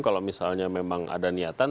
kalau misalnya memang ada niatan